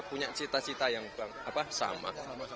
punya cita cita yang sama